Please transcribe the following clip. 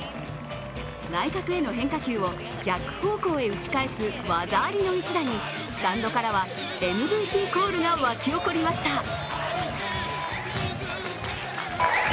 内角への変化球を逆方向へ打ち返す技ありの一打にスタンドからはＭＶＰコールが沸き起こりました。